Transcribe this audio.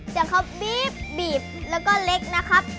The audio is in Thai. จากเขาบีบบีบแล้วก็เล็กนะครับ